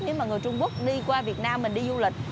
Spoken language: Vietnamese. nếu mà người trung quốc đi qua việt nam mình đi du lịch